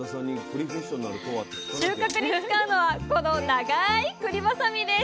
収穫に使うのはこの長いくりバサミです